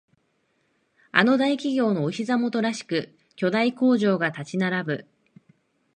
あの大企業のお膝元らしく巨大工場が立ち並ぶ